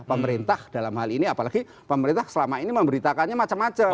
pemerintah dalam hal ini apalagi pemerintah selama ini memberitakannya macam macam